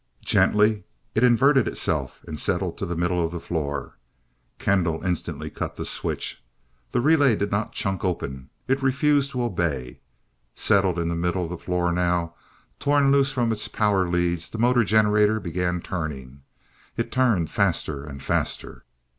Gently it inverted itself and settled to the middle of the floor. Kendall instantly cut the switch. The relay did not chunk open. It refused to obey. Settled in the middle of the floor now, torn loose from its power leads, the motor generator began turning. It turned faster and faster.